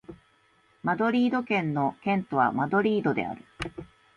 マドリード県の県都はマドリードである